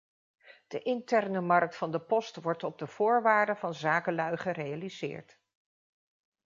De interne markt van de post wordt op de voorwaarden van zakenlui gerealiseerd.